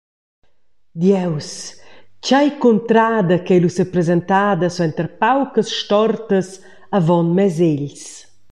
Dieus, tgei cuntrada ch’ei lu sepresentada suenter paucas stortas avon mes egls.